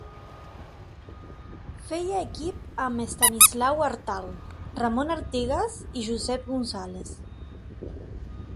Feia equip amb Estanislau Artal, Ramon Artigas i Josep González.